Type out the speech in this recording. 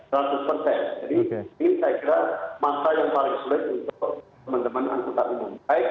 jadi ini saya kira masalah yang paling sulit untuk teman teman anggota umum